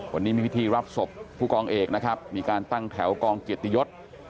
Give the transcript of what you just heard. วันนี้มีพิธีรับศพผู้กองเอกนะครับมีการตั้งแถวกองเกียรติยศ